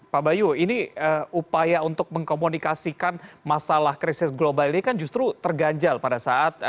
pak bayu ini upaya untuk mengkomunikasikan masalah krisis global ini kan justru terganjal pada saat